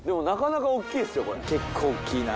結構おっきいな。